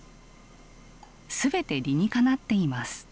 全て理にかなっています。